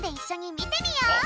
みてみよう。